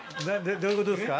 どういうことすか？